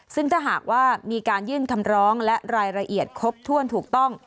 ซึ่งถ้าหากว่ามีการยื่นคำร้องและรายละเอียดครบถ้วนถูกต้อง